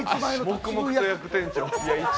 黙々と焼く店長。